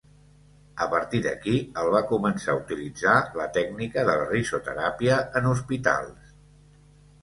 A partir d'aquí, el va començar a utilitzar la tècnica de la risoteràpia en hospitals.